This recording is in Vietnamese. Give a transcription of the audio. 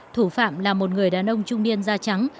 thủ phạm là một người đàn ông trung niên da trắng